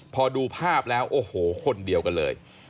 พอดูภาพแล้วโอ้โหคนเดียวกันเลย